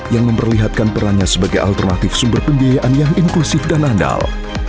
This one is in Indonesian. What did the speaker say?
yang memperlihatkan perannya sebagai alternatif sumber pembiayaan yang inklusif dan andal